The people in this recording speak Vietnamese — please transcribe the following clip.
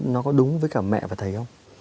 nó có đúng với cả mẹ và thầy không